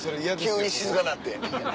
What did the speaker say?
急に静かになって。